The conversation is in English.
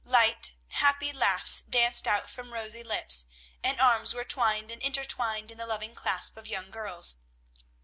Light, happy laughs danced out from rosy lips, and arms were twined and intertwined in the loving clasp of young girls.